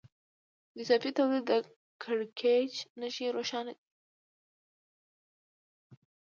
د اضافي تولید د کړکېچ نښې روښانه دي